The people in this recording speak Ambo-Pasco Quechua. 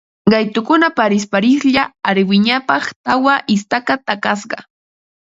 Qaytukuna parisparislla arwinapaq tawa istaka takasqa